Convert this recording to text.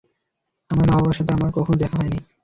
আমার মা বাবার সাথে আমার কখনো দেখা হয়নি।